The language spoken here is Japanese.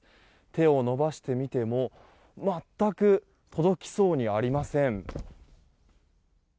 手を伸ばしてみても全く届きそうにありません。